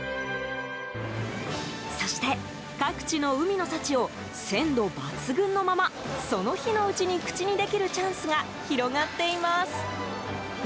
そして各地の海の幸を鮮度抜群のままその日のうちに口にできるチャンスが広がっています。